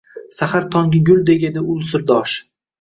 Sahar tongi guldek edi ul sirdosh